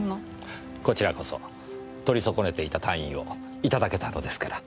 こちらこそ取り損ねていた単位を頂けたのですから。